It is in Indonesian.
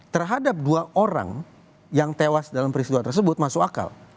terhadap dua orang yang tewas dalam peristiwa tersebut masuk akal